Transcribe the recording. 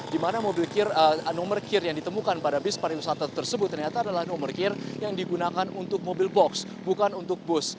di mana nomor kir yang ditemukan pada bis pariwisata tersebut ternyata adalah nomor kir yang digunakan untuk mobil box bukan untuk bus